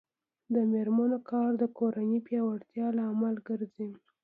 د میرمنو کار د کورنۍ پیاوړتیا لامل ګرځي.